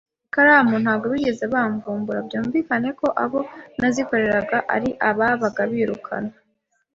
ikaramu ntabwo bigeze bamvumbura, byumvikaneko abo nazikoreraga ari ababaga birukanwe